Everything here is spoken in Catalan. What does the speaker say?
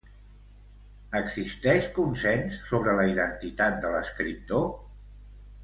Existeix consens sobre la identitat de l'escriptor?